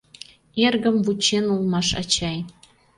Эргым вучен улмаш ачай.